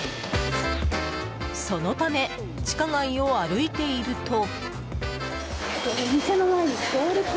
そのため地下街を歩いていると。